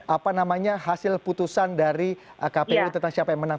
apa namanya hasil putusan dari kpu tentang siapa yang menang